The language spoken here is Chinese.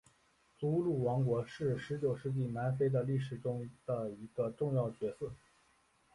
祖鲁王国是十九世纪南非的历史中的一个重要角色。